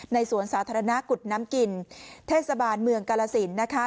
สวนสาธารณะกุฎน้ำกินเทศบาลเมืองกาลสินนะคะ